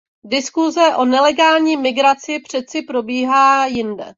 Diskuse o nelegální migraci přeci probíhá jinde.